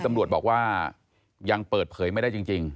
ตำรวจบอกว่ายังเปิดเผยไม่ได้จริง